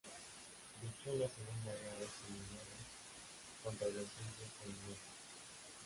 Luchó en la Segunda Guerra Seminola, contra los indios Seminolas.